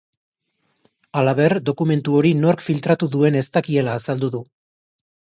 Halaber, dokumentu hori nork filtratu duen ez dakiela azaldu du.